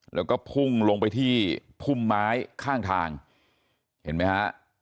แล้วก็พุ่งลงไปที่พุ่มไม้ข้างทางเห็นไหมฮะ